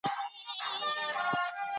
د اروپا فضايي څېړندلې د څېړنې برخه ده.